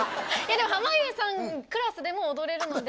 でも濱家さんクラスでも踊れるので。